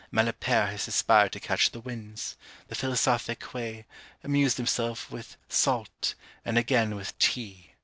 Malapert has aspired to catch the Winds; the philosophic Huet amused himself with Salt and again with Tea.